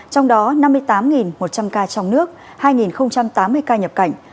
trong đó năm mươi tám một trăm linh ca trong nước hai tám mươi ca nhập cảnh